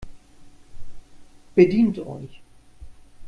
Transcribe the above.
Bedient euch!